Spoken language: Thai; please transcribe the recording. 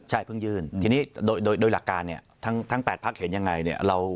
ใช่เพิ่งยื่นทีนี้โดยหลักการทั้ง๘พักเห็นอย่างไร